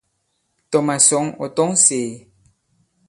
Tɔ̀ màsɔ̌ŋ ɔ̀ tɔ̌ŋ sēē.